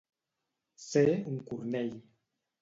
Ser un cornell.